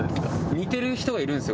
似てる人がいるんですよ